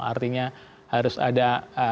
hanya harus ada